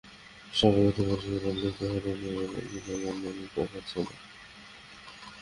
সাবেক অধিনায়ক Ricky Ponting তো হাডিনের এমন বিদায় মেনেই নিতে পারছেন না।